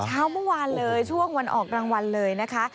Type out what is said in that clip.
เมื่อวานเลยช่วงวันออกรางวัลเลยนะคะ